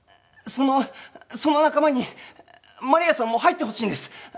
そのその仲間にマリアさんも入ってほしいんです。